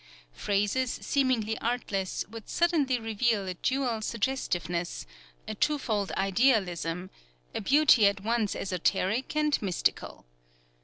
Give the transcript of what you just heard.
Phrases, seemingly artless, would suddenly reveal a dual suggestiveness, a two fold idealism, a beauty at once exoteric and mystical.